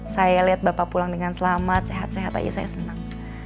saya lihat bapak pulang dengan selamat sehat sehat aja saya senang